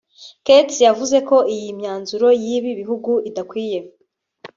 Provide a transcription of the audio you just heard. Katz yavuze ko iyi myanzuro y’ibi bihugu idakwiye